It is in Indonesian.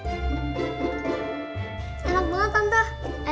enak banget tante